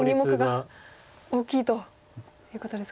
大きいということですか。